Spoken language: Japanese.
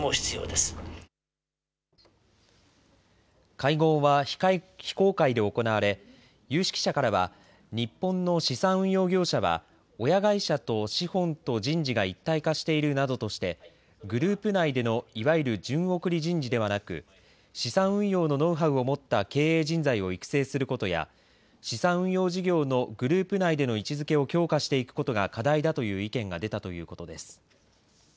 会合は非公開で行われ有識者からは日本の資産運用業者は親会社と資本と人事が一体化しているなどとしてグループ内でのいわゆる順送り人事ではなく資産運用のノウハウを持った経営人材を育成することや資産運用事業のグループ内での位置づけを強化していくことが課題だという意見が出たということです。